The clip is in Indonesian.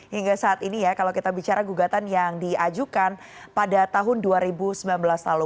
hingga saat ini ya kalau kita bicara gugatan yang diajukan pada tahun dua ribu sembilan belas lalu